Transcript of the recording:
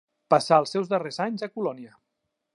Passà els seus darrers anys a Colònia.